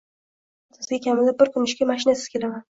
Men haftasiga kamida bir kun ishga mashinasiz ketaman